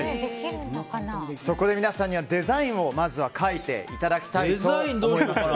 そこで皆さんにはデザインを描いてもらいたいと思います。